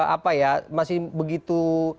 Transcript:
apa ya masih begitu